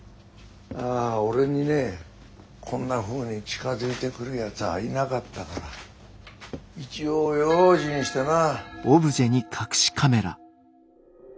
ああ俺にねこんなふうに近づいてくるやつはいなかったから一応用心してな。